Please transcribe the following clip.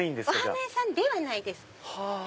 お花屋さんではないです。